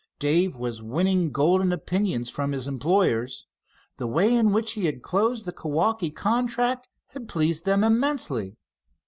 Dave was winning golden opinions from his employers. The way in which he had dosed the Kewaukee contract had pleased them immensely.